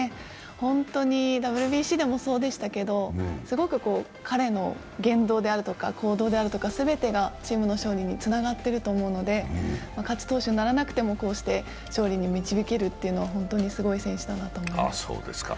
本当にＷＢＣでもそうでしたけど、すごく彼の言動であるとか、行動であるとか全てがチームの勝利につながってると思うので勝ち投手にならなくてもこうして勝利に導けるというのは本当にすごい選手だなと思います。